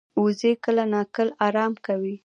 وزې کله ناکله آرام کوي